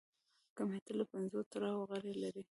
کمیټه له پنځو تر اوو غړي لري.